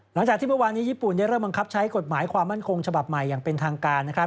หลังจากที่เมื่อวานนี้ญี่ปุ่นได้เริ่มบังคับใช้กฎหมายความมั่นคงฉบับใหม่อย่างเป็นทางการ